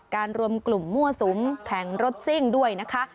รวมกลุ่มมั่วสุมแข่งรถซิ่งด้วยนะคะ